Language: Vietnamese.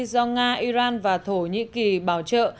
do nga iran và thổ nhĩ kỳ bảo trợ